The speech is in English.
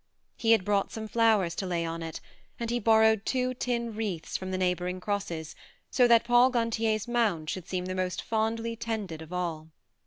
He had brought some flowers to lay on it, and he borrowed two tin wreaths from THE MARNE 77 the neighbouring crosses, so that Paul Gantier's mound should seem the most fondly tended of all.